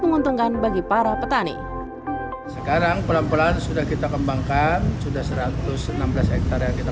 menguntungkan bagi para petani sekarang pelan pelan sudah kita kembangkan sudah satu ratus enam belas hektare yang kita